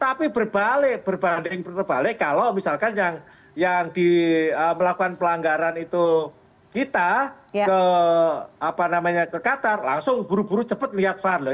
tapi berbalik berbanding berbalik kalau misalkan yang melakukan pelanggaran itu kita ke qatar langsung buru buru cepet lihat var loh